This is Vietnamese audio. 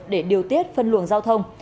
để điều tiết phân luồng giao thông